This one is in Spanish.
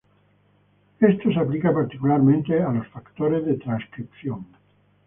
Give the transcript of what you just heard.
Esto se aplica particularmente a los factores de transcripción.